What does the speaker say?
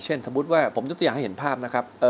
หยุดอย่างจะให้เห็นภาพนะครับ